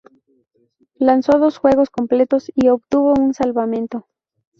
Lanzó dos juegos completos y obtuvo un salvamento.